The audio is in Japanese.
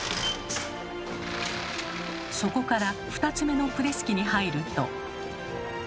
そこから２つ目のプレス機に入ると。